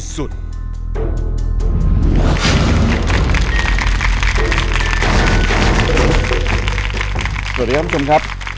สวัสดีครับคุณผู้ชมครับ